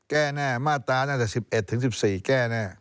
แก้แน่มาตราน่าจะ๑๑ถึง๑๔แก้แน่